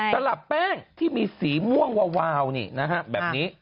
แต่ละแป้งที่มีสีม่วงเหงื่อบางเบาเนี่ยแบบนี้